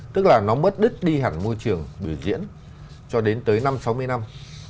tức là nó mất đứt đi hẳn môi trường biểu diễn cho đến tới năm sáu mươi năm